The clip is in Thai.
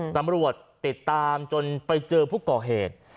ตำรวจติดตามจนไปเจอผู้ก่อเหตุ